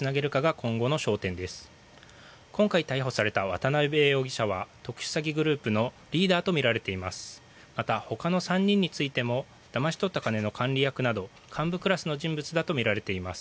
今回逮捕された渡邉容疑者は特殊詐欺グループのリーダーとみられています。